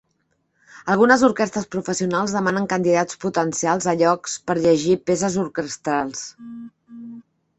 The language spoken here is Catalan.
Algunes orquestres professionals demanen candidats potencials a llocs per llegir peces orquestrals.